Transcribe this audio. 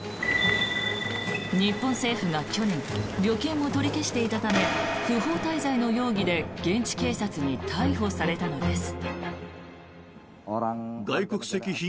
日本政府が去年旅券を取り消していたため不法滞在の容疑で現地警察に逮捕されたのです。